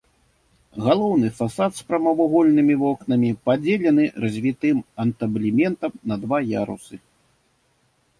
Галоўны фасад з прамавугольнымі вокнамі падзелены развітым антаблементам на два ярусы.